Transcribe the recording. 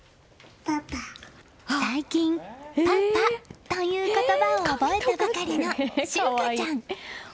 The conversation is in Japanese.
最近、「パパ」という言葉を覚えたばかりの柊花ちゃん。